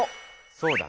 そうだね。